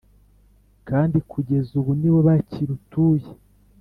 kandi kugeza ubu ni bo bakirutuye.